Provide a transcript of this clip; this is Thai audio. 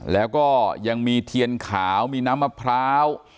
แล้วก็ยังมีเทียนขาวมีน้ำมะพร้าว